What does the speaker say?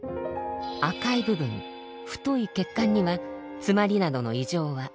赤い部分太い血管には詰まりなどの異常は全く見られません。